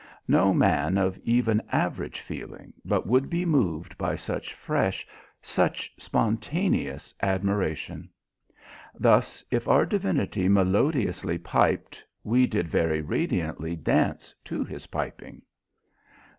No man of even average feeling but would be moved by such fresh, such spontaneous admiration! Thus, if our divinity melodiously piped, we did very radiantly dance to his piping.